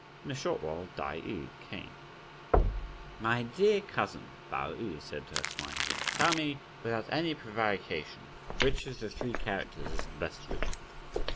In a short while, Tai yü came. "My dear cousin," Pao yü said to her smilingly, "tell me without any prevarication which of the three characters is the best written?"